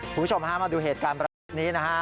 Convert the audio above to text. คุณผู้ชมฮะมาดูเหตุการณ์ประทึกนี้นะฮะ